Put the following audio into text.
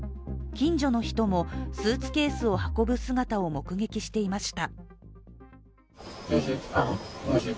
近所の人もスーツケースを運ぶ姿を目撃していました。